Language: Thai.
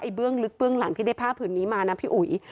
เบื้องลึกเบื้องหลังที่ได้ผ้าผืนนี้มานะพี่อุ๋ย